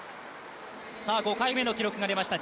５回目の記録が出ました